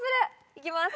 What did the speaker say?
行きます。